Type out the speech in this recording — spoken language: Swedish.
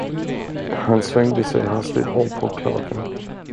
Han svängde sig hastigt om på klacken.